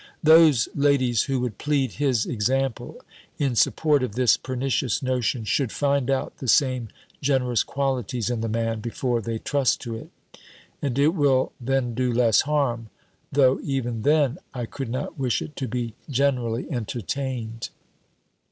Those ladies who would plead his example, in support of this pernicious notion, should find out the same generous qualities in the man, before they trust to it: and it will then do less harm; though even then, I could not wish it to be generally entertained."